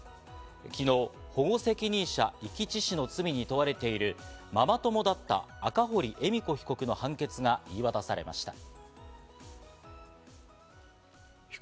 昨日、保護責任者遺棄致死の罪に問われているママ友だった赤堀恵美子被告の判決が言い渡されました。